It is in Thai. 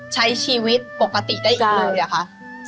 ใช้ชีวิตปกติได้อีกเลยอะคะ